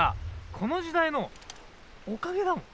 この時代のおかげだもん。